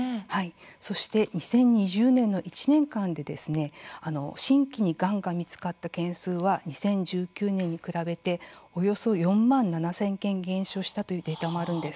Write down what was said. そして、２０２０年の１年間で新規にがんが見つかった件数は２０１９年に比べておよそ４万７０００件減少したというデータもあるんです。